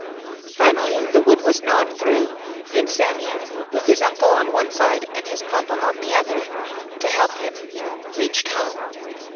Finally the wood was gnawed through, and Sammie, with his uncle on one side and his papa on the other, to help him, reached home.